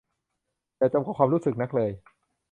อย่าจมกับความรู้สึกนักเลย